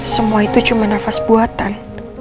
semua itu cuma nafas buatan